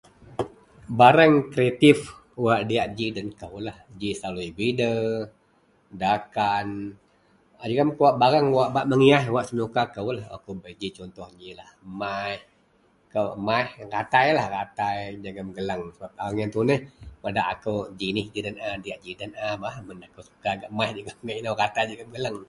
Bareng kreatif wak diak ji den ko lah ji salui bider, dakan jegam kawa barang wak ne hias ji senuka kou ratai emas jegam gelang emas padak jinih ji den bei emas ratai jegam gelang.